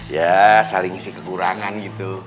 ya saling isi kekurangan gitu